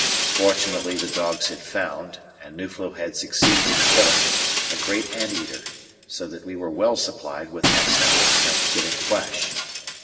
Fortunately the dogs had found, and Nuflo had succeeded in killing, a great ant eater, so that we were well supplied with excellent, strength giving flesh.